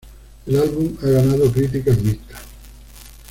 El álbum ha ganado críticas mixtas.